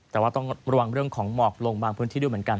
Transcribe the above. แต่ว่าต้องระวังเรื่องของหมอกลงบางพื้นที่ด้วยเหมือนกัน